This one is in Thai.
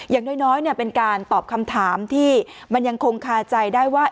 อย่างน้อยเป็นการตอบคำถามที่มันยังคงคาใจได้ว่า